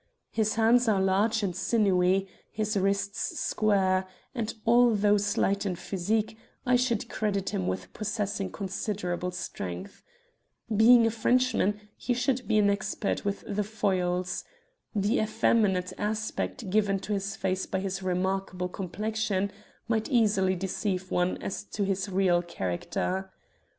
His hands are large and sinewy, his wrists square, and, although slight in physique, I should credit him with possessing considerable strength. Being a Frenchman, he should be an expert with the foils. The effeminate aspect given to his face by his remarkable complexion might easily deceive one as to his real character.